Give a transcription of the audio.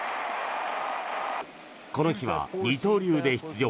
この日は二刀流で出場。